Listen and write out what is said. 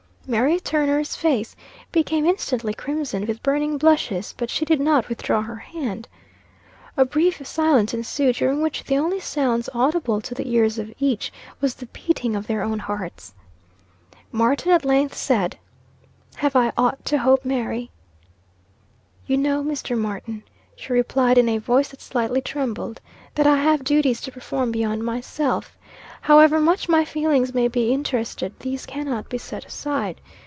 Mary Turner's face became instantly crimsoned with burning blushes, but she did not withdraw her hand. A brief silence ensued, during which the only sounds audible to the ears of each, was the beating of their own hearts. Martin at length said "Have I aught to hope, Mary?" "You know, Mr. Martin," she replied, in a voice that slightly trembled, "that I have duties to perform beyond myself. However much my feelings may be interested, these cannot be set aside.